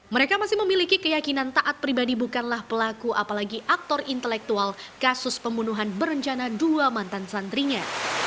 mereka masih memiliki keyakinan taat pribadi bukanlah pelaku apalagi aktor intelektual kasus pembunuhan berencana dua mantan santrinya